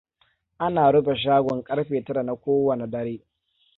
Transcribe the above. Ana rufe shagon karfe tara na kowane dare.